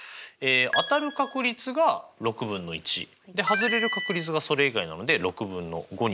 当たる確率が６分の１はずれる確率がそれ以外なので６分の５になりますね。